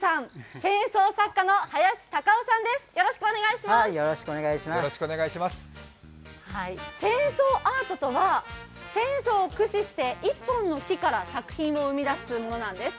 チェーンソーアートとはチェーンソーを駆使して１本の木から作品を生み出すものなんです。